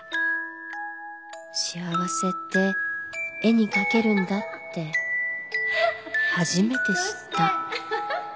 幸せって絵に描けるんだって初めて知った。